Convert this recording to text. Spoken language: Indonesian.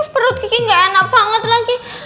perut gini gak enak banget lagi